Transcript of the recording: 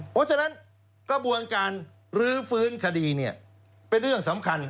เพราะฉะนั้นกระบวนการลื้อฟื้นคดีเนี่ยเป็นเรื่องสำคัญ